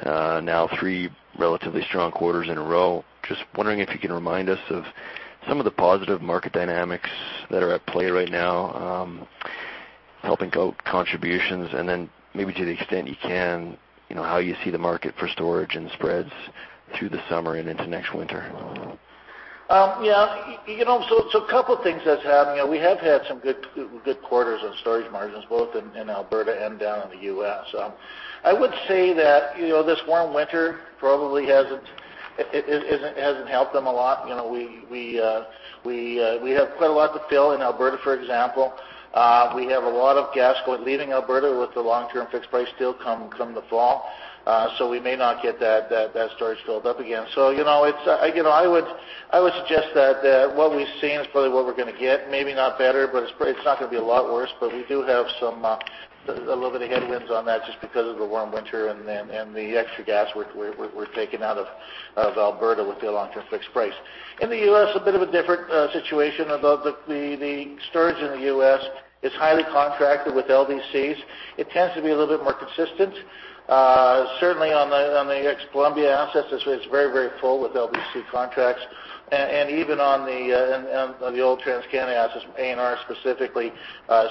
Now three relatively strong quarters in a row. Just wondering if you can remind us of some of the positive market dynamics that are at play right now, helping out contributions, and then maybe to the extent you can, how you see the market for storage and spreads through the summer and into next winter. A couple of things that's happening. We have had some good quarters on storage margins both in Alberta and down in the U.S. I would say that this warm winter probably hasn't helped them a lot. We have quite a lot to fill in Alberta, for example. We have a lot of gas leaving Alberta with the long-term fixed price deal come the fall. We may not get that storage filled up again. I would suggest that what we've seen is probably what we're going to get, maybe not better, but it's not going to be a lot worse. We do have a little bit of headwinds on that just because of the warm winter and the extra gas we're taking out of Alberta with the long-term fixed price. In the U.S., a bit of a different situation. The storage in the U.S. is highly contracted with LDCs. It tends to be a little bit more consistent. Certainly, on the ex-Columbia assets, it's very full with LDC contracts. Even on the old TransCanada assets, ANR specifically,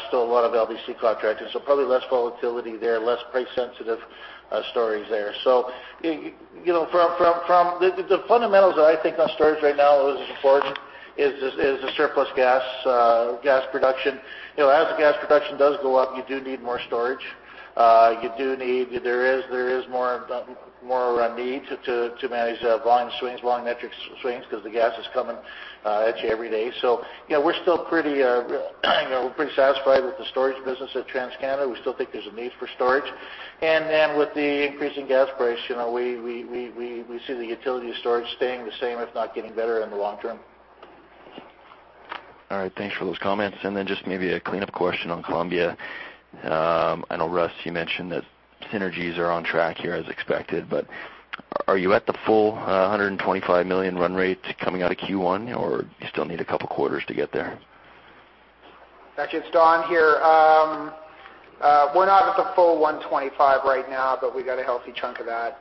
still a lot of LDC contracting. Probably less volatility there, less price-sensitive storage there. The fundamentals that I think on storage right now that is important is the surplus gas production. As the gas production does go up, you do need more storage. There is more of a need to manage volume swings, long metric swings, because the gas is coming at you every day. We're still pretty satisfied with the storage business at TransCanada. We still think there's a need for storage. Then with the increasing gas price, we see the utility storage staying the same, if not getting better in the long term. All right. Thanks for those comments. Just maybe a cleanup question on Columbia. I know, Russ, you mentioned that synergies are on track here as expected, but are you at the full $125 million run rate coming out of Q1, or do you still need a couple of quarters to get there? Actually, it's Don here. We're not at the full $125 right now, but we got a healthy chunk of that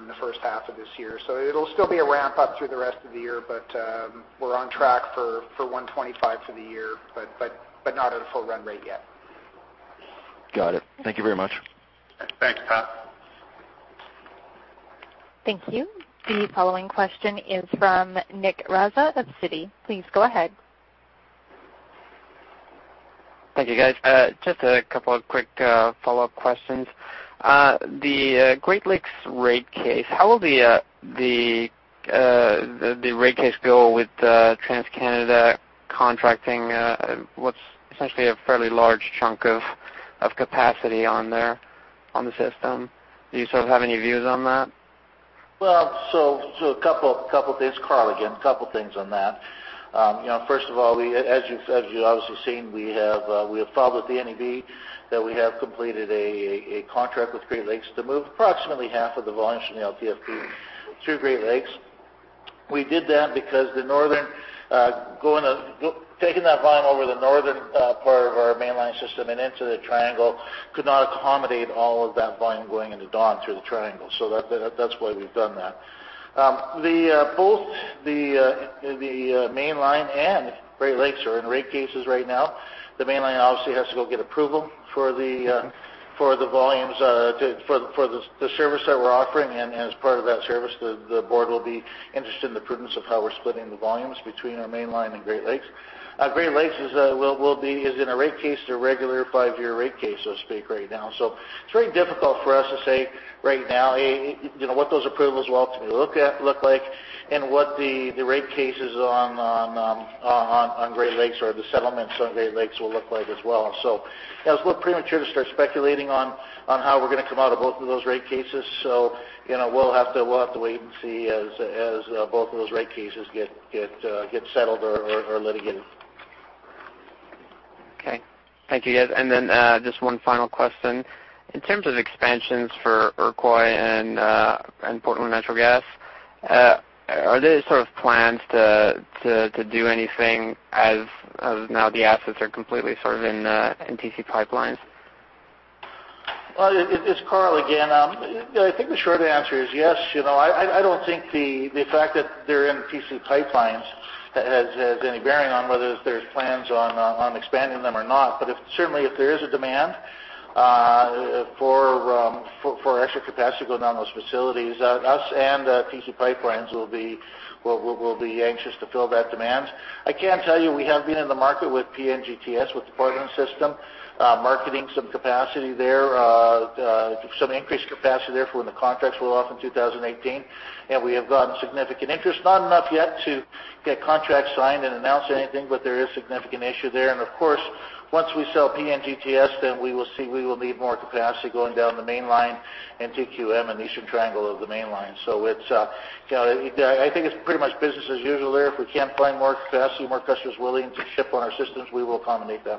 in the first half of this year. It'll still be a ramp-up through the rest of the year, but we're on track for $125 for the year, but not at a full run rate yet. Got it. Thank you very much. Thanks, Pat. Thank you. The following question is from Nick Raza of Citi. Please go ahead. Thank you, guys. Just a couple of quick follow-up questions. The Great Lakes rate case, how will the rate case go with TransCanada contracting what's essentially a fairly large chunk of capacity on the system? Do you have any views on that? A couple of things. Karl again. A couple of things on that. First of all, as you've obviously seen, we have filed with the NEB that we have completed a contract with Great Lakes to move approximately half of the volumes from the LTFP through Great Lakes. We did that because taking that volume over the northern part of our Mainline system and into the triangle could not accommodate all of that volume going into Dawn through the triangle. That's why we've done that. Both the Mainline and Great Lakes are in rate cases right now. The Mainline obviously has to go get approval for the service that we're offering, and as part of that service, the board will be interested in the prudence of how we're splitting the volumes between our Mainline and Great Lakes. Great Lakes is in a rate case, the regular five-year rate case, so to speak, right now. It's very difficult for us to say right now what those approvals will ultimately look like and what the rate cases on Great Lakes or the settlements on Great Lakes will look like as well. It's a little premature to start speculating on how we're going to come out of both of those rate cases. We'll have to wait and see as both of those rate cases get settled or litigated. Okay. Thank you, guys. Just one final question. In terms of expansions for Iroquois and Portland Natural Gas, are there plans to do anything as now the assets are completely in TC PipeLines, LP? Well, it's Karl again. I think the short answer is yes. I don't think the fact that they're in TC PipeLines, LP has any bearing on whether there's plans on expanding them or not. Certainly, if there is a demand for extra capacity going down those facilities, us and TC PipeLines, LP will be anxious to fill that demand. I can tell you, we have been in the market with PNGTS, with the Portland system, marketing some capacity there, some increased capacity there for when the contracts roll off in 2018. We have gotten significant interest. Not enough yet to get contracts signed and announce anything, but there is significant interest there. Of course, once we sell PNGTS, we will see we will need more capacity going down the Mainline and TQM and Eastern Triangle of the Mainline. I think it's pretty much business as usual there. If we can find more capacity, more customers willing to ship on our systems, we will accommodate them.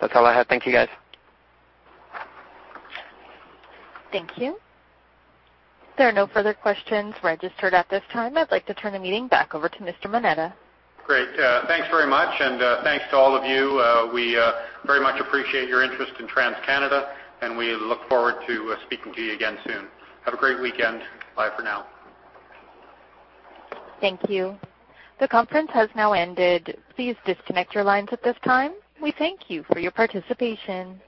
That's all I have. Thank you, guys. Thank you. If there are no further questions registered at this time, I'd like to turn the meeting back over to Mr. Moneta. Great. Thanks very much, and thanks to all of you. We very much appreciate your interest in TransCanada, and we look forward to speaking to you again soon. Have a great weekend. Bye for now. Thank you. The conference has now ended. Please disconnect your lines at this time. We thank you for your participation.